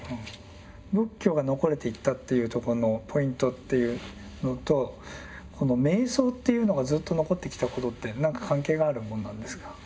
仏教が残れていったっていうとこのポイントっていうのとこの瞑想っていうのがずっと残ってきたことって何か関係があるもんなんですか？